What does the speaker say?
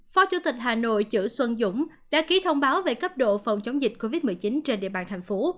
phó chủ tịch hà nội chữ xuân dũng đã ký thông báo về cấp độ phòng chống dịch covid một mươi chín trên địa bàn thành phố